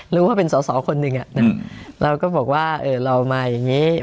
รู้ว่าเป็นสองสองคนหนึ่งอ่ะอืมเราก็บอกว่าเอ่อเรามาอย่างงี้